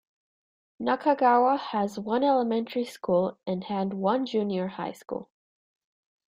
Nakagawa has one elementary school and had one junior high school.